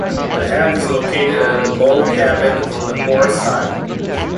The head is located in the bow cabin on the port side.